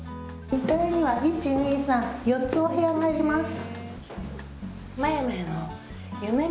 ２階には４つお部屋があります。